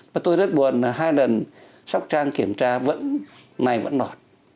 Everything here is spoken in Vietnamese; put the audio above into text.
mà tôi rất buồn là hai lần sóc trang kiểm tra này vẫn đọt